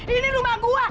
ini rumah gue